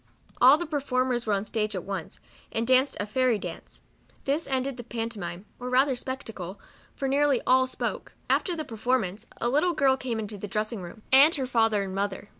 All the perform ers were on the stage at once, and danced a " Fancy Dance." This ended the pan tomime, or rather spectacle, for nearly all spoke. After the performance, a little girl came in the dressing room, and her father and mother.